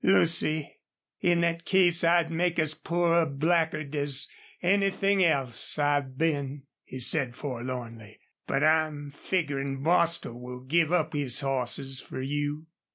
"Lucy, in thet case I'd make as poor a blackguard as anythin' else I've been," he said, forlornly. "But I'm figgerin' Bostil will give up his hosses fer you."